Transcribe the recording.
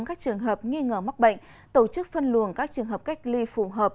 các trường hợp nghi ngờ mắc bệnh tổ chức phân luồng các trường hợp cách ly phù hợp